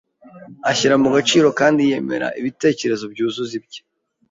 ashyira mu gaciro kandi yemera ibitekerezo byuzuza ibye